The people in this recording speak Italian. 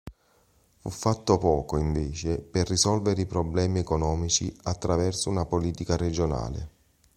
Fu fatto poco invece per risolvere i problemi economici attraverso una politica regionale.